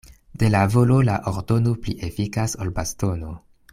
De la volo la ordono pli efikas ol bastono.